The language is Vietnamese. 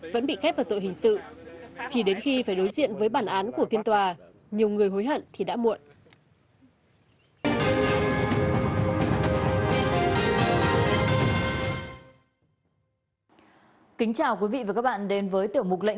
vẫn bị khép vào tội hình sự chỉ đến khi phải đối diện với bản án của phiên tòa nhiều người hối hận thì đã muộn